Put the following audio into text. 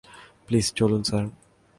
Please চলুন, sir.